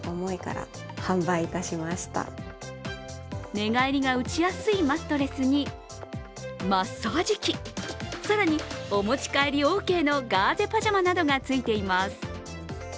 寝返りが打ちやすいマットレスに、マッサージ器、更に、お持ち帰りオーケーのガーゼパジャマなどがついています。